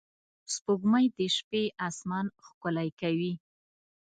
سپوږمۍ د شپې آسمان ښکلی کوي